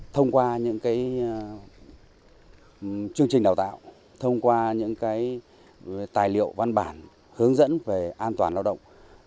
thông qua những chương trình đào tạo thông qua những tài liệu văn bản hướng dẫn về an toàn lao động